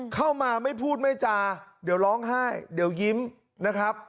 เข้ามาไม่พูดไม่จาเดี๋ยวร้องไห้เดี๋ยวยิ้มนะครับ